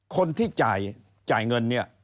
คนที่จ่ายเงินเนี่ย